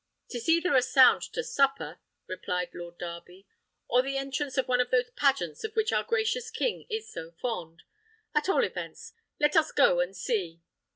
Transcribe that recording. "'Tis either a sound to supper," replied Lord Darby, "or the entrance of one of those pageants of which our gracious king is so fond. At all events, let us go and see."